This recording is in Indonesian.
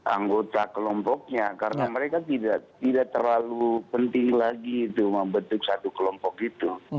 anggota kelompoknya karena mereka tidak terlalu penting lagi itu membentuk satu kelompok itu